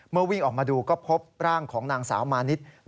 วิ่งออกมาดูก็พบร่างของนางสาวมานิด